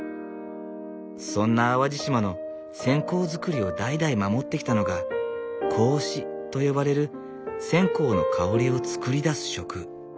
そんな淡路島の線香作りを代々守ってきたのが香司と呼ばれる線香の香りを作り出す職。